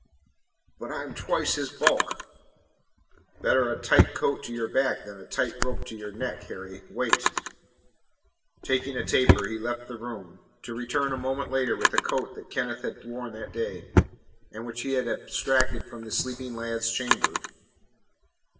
"But I am twice his bulk!" "Better a tight coat to your back than a tight rope to your neck, Harry. Wait." Taking a taper, he left the room, to return a moment later with the coat that Kenneth had worn that day, and which he had abstracted from the sleeping lad's chamber.